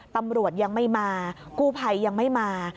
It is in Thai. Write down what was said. ตำรวจยังไม่มากู้ภัยยังไม่มา